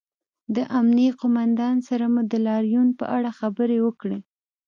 د امنیې قومندان سره مو د لاریون په اړه خبرې وکړې